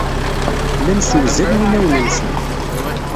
Llan ssewzalen inawen-nsen.